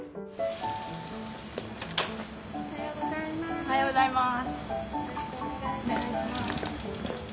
おはようございます！